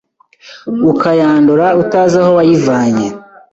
ukayandura utazi aho wayivanye